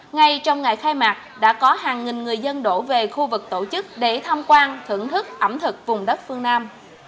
ngay trong ngày khai mạc đã có hàng nghìn người dân đổ về khu vực tổ chức để tham quan thưởng thức ẩm thực vùng đất phương nam